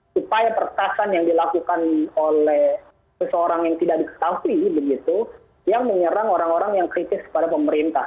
supaya pertasan yang dilakukan oleh seseorang yang tidak diketahui begitu yang menyerang orang orang yang kritis kepada pemerintah